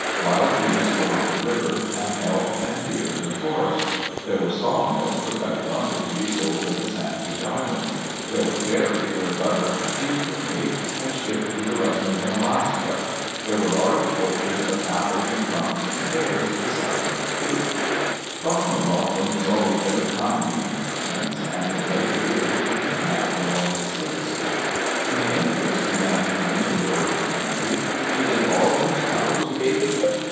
Wild geese were on the river, and elk and deer in die forest There were sawmills for cutting lumber to be sold at die Sandwich Islands. There were dairies where butter and cheese were made, and shipped to the Russians in Alaska. There were large orchards of apples and plums and pears, besides other fruit. Dr. McLoughlin was always very kind to the Ameri cans, and in later years became a naturalized citizen. When the immigrants began to come into the Oregon country he did all in his power to aid them.